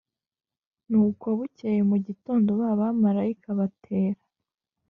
Nuko bukeye mu gitondo ba bamarayika batera